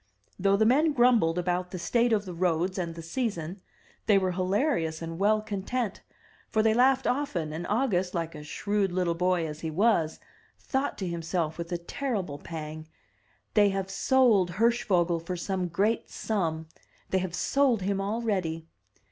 Though the men grumbled about the state of the roads and the season, they were hilarious and well content, for they laughed often, and August, like a shrewd little boy as he was, thought to himself, with a terrible pang: 'They have sold Hirschvogel for some great sum! They have sold him already!"